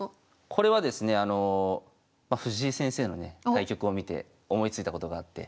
これはですね藤井先生のね対局を見て思いついたことがあって。